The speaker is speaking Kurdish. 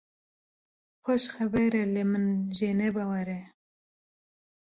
Xweş xeber e lê min jê ne bawer e.